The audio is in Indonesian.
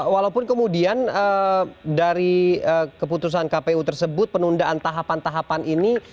walaupun kemudian dari keputusan kpu tersebut penundaan tahapan tahapan ini